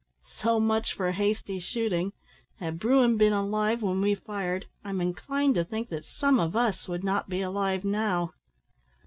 So much for hasty shooting. Had bruin been alive when we fired, I'm inclined to think that some of us would not be alive now."